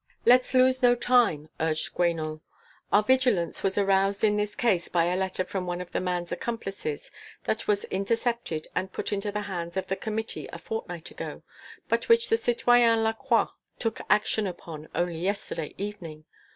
"Let's lose no time," urged Guénot. "Our vigilance was aroused in this case by a letter from one of the man's accomplices that was intercepted and put into the hands of the Committee a fortnight ago, but which the citoyen Lacroix took action upon only yesterday evening.